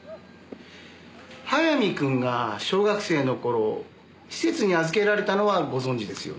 早見君が小学生の頃施設に預けられたのはご存じですよね？